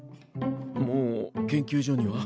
もう研究所には？